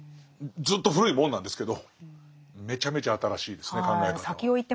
ずっと古いもんなんですけどめちゃめちゃ新しいですね考え方が。